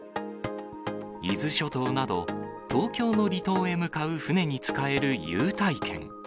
伊豆諸島など、東京の離島へ向かう船に使える優待券。